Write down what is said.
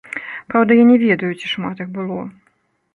Праўда, я не ведаю, ці шмат іх было.